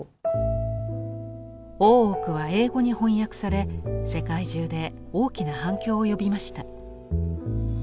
「大奥」は英語に翻訳され世界中で大きな反響を呼びました。